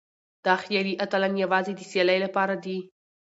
دا خيالي اتلان يوازې د سيالۍ لپاره دي.